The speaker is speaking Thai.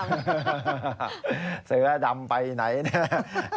เหรอฮ่าเสือดำไปไหนน่า